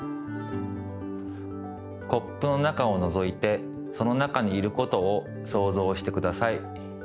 コップの中をのぞいてその中にいることをそうぞうしてください。